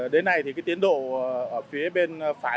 đến nay tiến độ phía bên phải